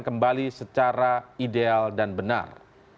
kembali secara ideal dan benar